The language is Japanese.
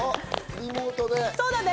リモートで。